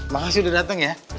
makasih udah dateng ya